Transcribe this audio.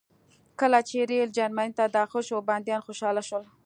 کله چې ریل جرمني ته داخل شو بندیان خوشحاله شول